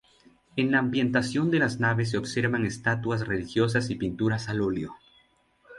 En la ambientación de las naves se observan estatuas religiosas y pinturas al óleo.